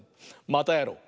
またやろう！